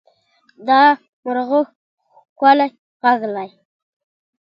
دا مرغه ښکلی غږ لري.